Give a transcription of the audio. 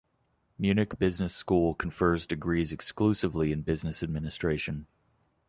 Munich Business School confers degrees exclusively in business administration.